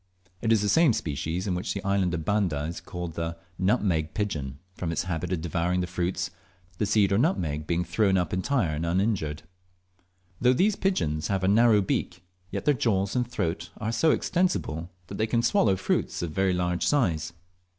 It is the same species which in the island of Banda is called the nutmeg pigeon, from its habit of devouring the fruits, the seed or nutmeg being thrown up entire and uninjured. Though these pigeons have a narrow beak, yet their jaws and throat are so extensible that they can swallow fruits of very large size.